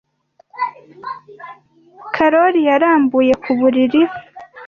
Karoli yarambuye ku buriri.